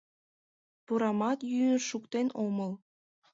Пурамат йӱын шуктен омыл.